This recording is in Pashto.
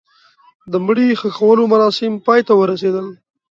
د مړي ښخولو مراسم پای ته ورسېدل.